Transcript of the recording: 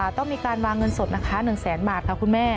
ต้องมีการวางเงินสดนะคะ๑แสนบาทค่ะคุณแม่